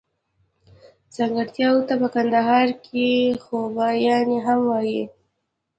ځانګړتياوو ته په کندهار کښي خوباياني هم وايي.